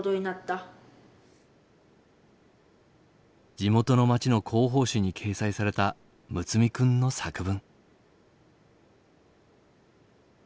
地元の町の広報誌に掲載された睦弥君の作文。